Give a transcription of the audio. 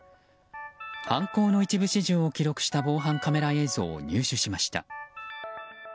犯行の一部始終を記録した防犯カメラ映像を入手しました。